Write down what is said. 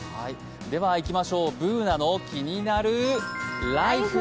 では「ＢｏｏｎａのキニナルＬＩＦＥ」。